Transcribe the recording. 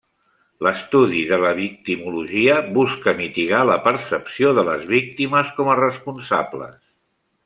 L'estudi de la victimologia busca mitigar la percepció de les víctimes com a responsables.